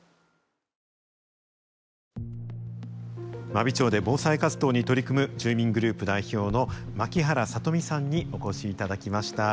真備町で防災活動に取り組む住民グループ代表の槙原聡美さんにお越しいただきました。